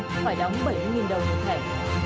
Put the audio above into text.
phải đóng bảy mươi đồng một thẻ